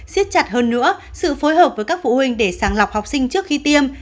xiết chặt hơn nữa sự phối hợp với các phụ huynh để sàng lọc học sinh trước khi tiêm